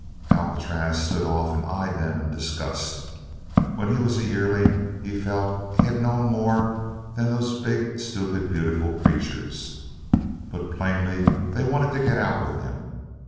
Alcatraz stood off and eyed them in disgust. When he was a yearling, he felt, he had known more than those big, stupid, beautiful creatures. But plainly they wanted to get out with him.